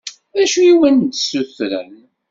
D acu i awen-d-ssutren?